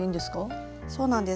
そうなんです。